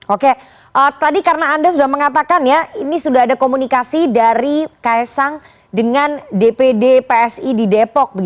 oke tadi karena anda sudah mengatakan ya ini sudah ada komunikasi dari ks sang dengan dpd psi di depok